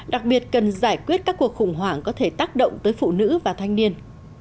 đặc biệt cần giải quyết các cuộc khủng hoảng có thể tác động tới phụ nữ và thanh niên